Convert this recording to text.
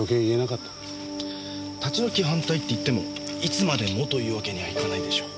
立ち退き反対っていってもいつまでもというわけにはいかないでしょう。